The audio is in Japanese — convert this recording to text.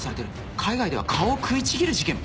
海外では顔を食いちぎる事件も。